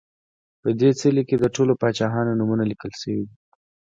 په دې څلي کې د ټولو پاچاهانو نومونه لیکل شوي دي